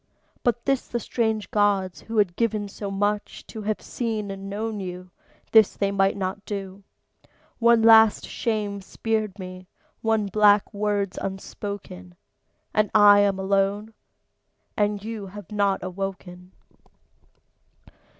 But this the strange gods, who had given so much, To have seen and known you, this they might not do. One last shame's spared me, one black word's unspoken; And I'm alone; and you have not awoken.